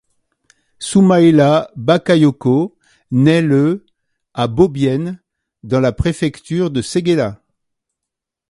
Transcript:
Soumaila Bakayoko nait le à Bobien dans la préfecture de Séguéla.